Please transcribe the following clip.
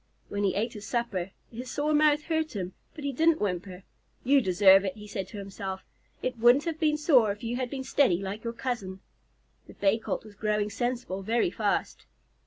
When he ate his supper, his sore mouth hurt him, but he didn't whimper. "You deserve it," he said to himself. "It wouldn't have been sore if you had been steady like your cousin." The Bay Colt was growing sensible very fast.